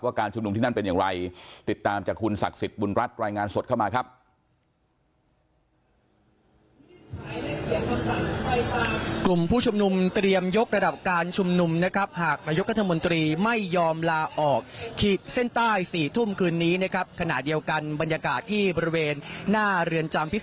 การชุมนุมที่นั่นเป็นอย่างไรติดตามจากคุณศักดิ์สิทธิ์บุญรัฐรายงานสดเข้ามาครับ